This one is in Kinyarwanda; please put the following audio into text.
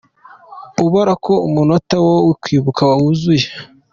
Ubara ko umunota wo kwibuka wuzuye.